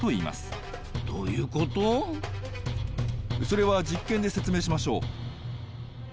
それは実験で説明しましょう。